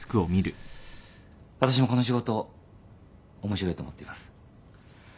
私もこの仕事面白いと思っています。